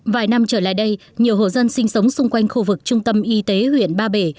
vài năm trở lại đây nhiều hộ dân sinh sống xung quanh khu vực trung tâm y tế huyện ba bể